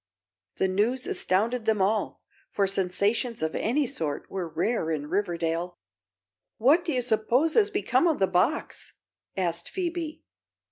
The news astonished them all, for sensations of any sort were rare in Riverdale. "What do you suppose has become of the box?" asked Phoebe.